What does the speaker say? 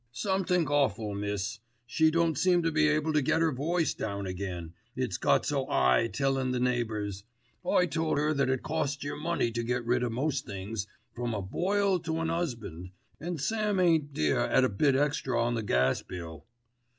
"Somethink awful, miss. She don't seem to be able to get 'er voice down again, it's got so 'igh tellin' the neighbours. I told 'er that it costs yer money to get rid of most things, from a boil to an 'usband, an' Sam ain't dear at a bit extra on the gas bill."